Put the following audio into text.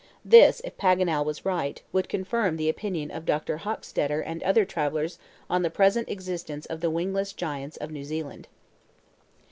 This, if Paganel was right, would confirm the opinion of Dr. Hochstetter and other travelers on the present existence of the wingless giants of New Zealand.